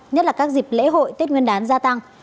nhất là các dịp lễ hội tết nguyên đán gia tăng